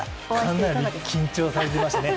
かなり緊張されていましたね。